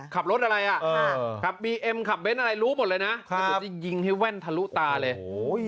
ขับรถอะไรอ่ะขับบีเอ็มขับเน้นอะไรรู้หมดเลยนะเดี๋ยวจะยิงให้แว่นทะลุตาเลย